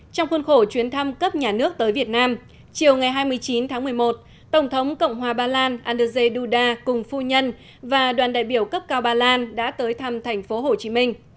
trong khuôn khổ chuyến thăm cấp nhà nước tới việt nam chiều ngày hai mươi chín tháng một mươi một tổng thống cộng hòa bà lan anderzej duda cùng phu nhân và đoàn đại biểu cấp cao ba lan đã tới thăm thành phố hồ chí minh